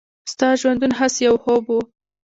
«ستا ژوندون هسې یو خوب و.»